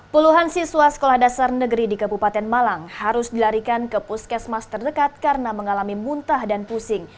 puluhan siswa sekolah dasar negeri di kabupaten malang harus dilarikan ke puskesmas terdekat karena mengalami muntah dan pusing